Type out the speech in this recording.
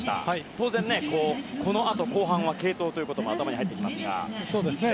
当然、このあと後半は継投も頭に入ってきますが。